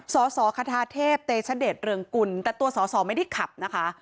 สสคทาเทพเตชเดชเรืองกุลแต่ตัวสอสอไม่ได้ขับนะคะ